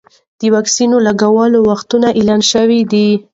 د واکسین لګولو وختونه اعلان شوي دي.